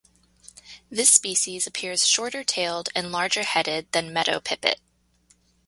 This species appears shorter tailed and larger headed than meadow pipit.